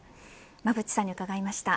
馬渕さんに伺いました。